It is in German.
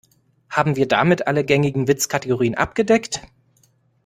Haben wir damit alle gängigen Witzkategorien abgedeckt?